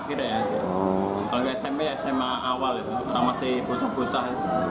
kalau sma sma awal kita masih bucah bucah